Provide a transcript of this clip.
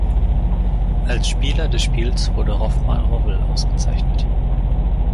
Als Spieler des Spiels wurde Rovman Rowell ausgezeichnet.